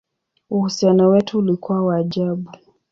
Uhusiano wetu ulikuwa wa ajabu!